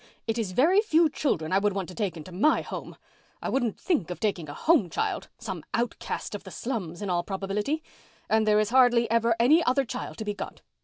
It is very few children I would want to take into my home. I wouldn't think of taking a home child—some outcast of the slums in all probability. And there is hardly ever any other child to be got.